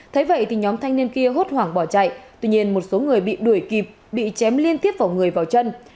thế vậy thì nhóm thanh niên kia hốt hoảng bỏ chạy tuy nhiên một số người bị đuổi kịp bị chém liên tiếp vào người vào chân